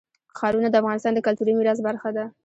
ښارونه د افغانستان د کلتوري میراث برخه ده.